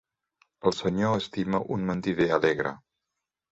El Senyor estima un mentider alegre.